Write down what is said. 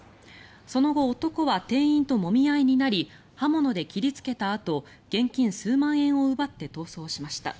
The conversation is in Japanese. その後、男は店員ともみ合いになり刃物で切りつけたあと現金数万円を奪って逃走しました。